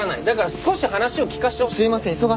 だから少し話を聞かせてほしくて。